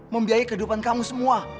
membiayai kehidupan kamu semua